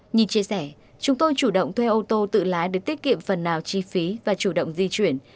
nhìn chia sẻ chúng tôi chủ động thuê ô tô tự lái để tiết kiệm phần nào chi phí và chủ động di chuyển